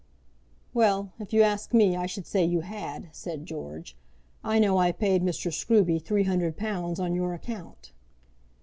"Well; if you ask me I should say you had," said George. "I know I paid Mr. Scruby three hundred pounds on your account."